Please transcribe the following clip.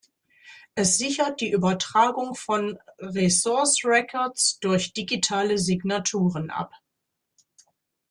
Es sichert die Übertragung von Resource Records durch digitale Signaturen ab.